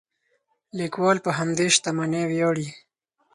لیکوال په همدې شتمنۍ ویاړي.